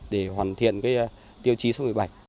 để hoàn thiện tiêu chí số một mươi bảy